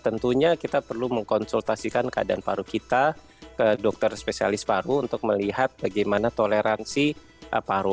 tentunya kita perlu mengkonsultasikan keadaan paru kita ke dokter spesialis paru untuk melihat bagaimana toleransi paru